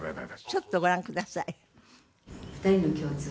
ちょっとご覧ください。